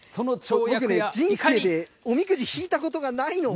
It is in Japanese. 僕、人生でおみくじ引いたことないの。